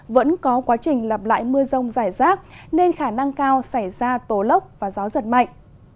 vẫn có quá trình lặp lại mưa rông rải rác nên khả năng cao xảy ra tố lốc và gió giật mạnh